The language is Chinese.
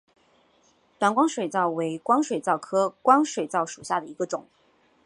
短光水蚤为光水蚤科光水蚤属下的一个种。